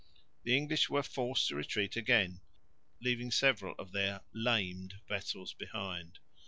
The English were forced to retreat again, leaving several of their "lamed" vessels behind.